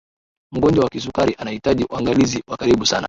mgonjwa wa kisukari anahitaji uangalizi wa karibu sana